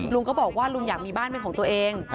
ลุงก็บอกว่าลุงอยากมีบ้านเป็นของตัวเอง